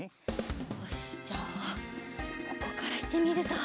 よしじゃあここからいってみるぞ。